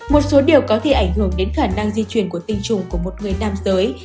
một số điều có thể ảnh hưởng đến khả năng di chuyển của tinh trùng của một người nam giới